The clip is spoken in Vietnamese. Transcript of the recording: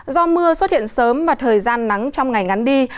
do mưa xuất hiện sớm và thời gian nắng trong ngày ngắn đi